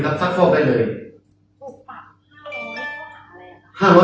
บุคปับ๕๐๐บาทเพราะหาอะไรครับ